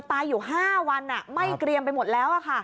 ตายอยู่๕วันไหม้เกรียมไปหมดแล้ว